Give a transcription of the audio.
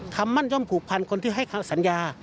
คำมั่นย่อมผูกพันคนที่ให้สัญญา